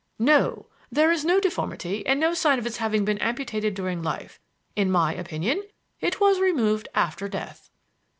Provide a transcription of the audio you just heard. "No. There is no deformity and no sign of its having been amputated during life. In my opinion it was removed after death."